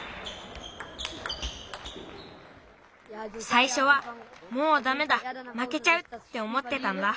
さいしょは「もうダメだまけちゃう」っておもってたんだ。